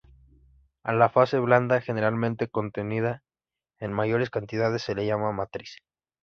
A la fase blanda, generalmente contenida en mayores cantidades, se le llama matriz.